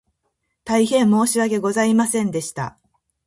大変申し訳ございませんでした